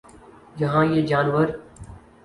جہاں یہ جانور